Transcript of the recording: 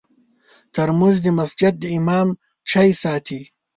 ترموز د مسجد د امام چای ساتي.